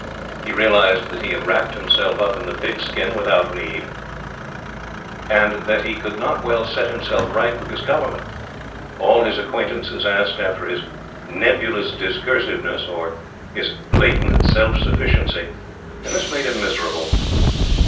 He realized that he had wrapped himself up in the Pigskin without need, and that he could not well set himself right with his Government. All his acquaintances asked after his "nebulous discursiveness" or his "blatant self sufficiency," and this made him miserable.